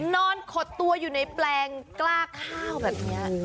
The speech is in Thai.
ขดตัวอยู่ในแปลงกล้าข้าวแบบนี้